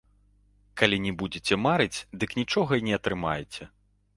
Калі не будзіце марыць, дык нічога і не атрымаеце.